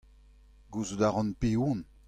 Gouzout a ran piv on.